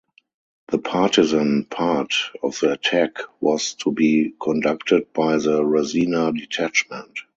The Partisan part of the attack was to be conducted by the Rasina Detachment.